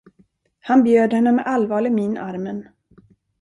Han bjöd henne med allvarlig min armen.